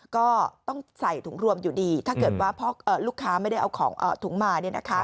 ก็ต้องใส่ถุงรวมอยู่ดีถ้าเกิดว่าเพราะลูกค้าไม่ได้เอาของถุงมา